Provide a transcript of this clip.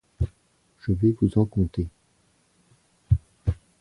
Je vais vous en conter.